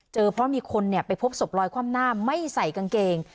เพราะมีคนไปพบศพลอยคว่ำหน้าไม่ใส่กางเกง